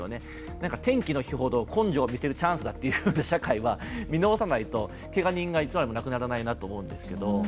なんか天気が悪い日ほど根性を見せるチャンスだというような社会は見直さないとけが人がいつまでもなくならないなと思うんですけどね。